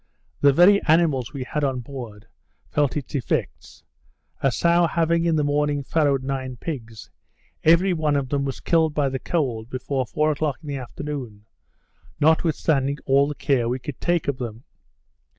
The very animals we had on board felt its effects. A sow having in the morning farrowed nine pigs, every one of them was killed by the cold before four o'clock in the afternoon, notwithstanding all the care we could take of them.